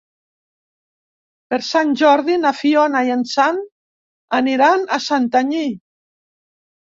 Per Sant Jordi na Fiona i en Sam aniran a Santanyí.